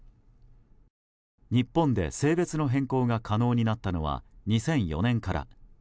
日本で性別の変更が可能になったのは２００４年から。